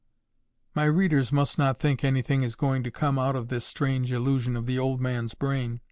My readers must not think anything is going to come out of this strange illusion of the old man's brain.